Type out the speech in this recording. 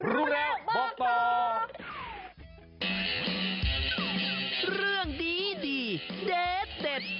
รู้แล้วบอกตอบ